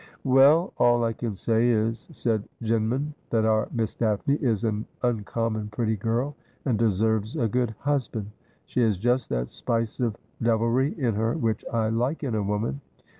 ' Well, all I can say is,' said Jinman, ' that our Miss Daphne is an uncommon pretty girl, and deserves a good husband. She has just that spice of devilry in her which I like in a woman.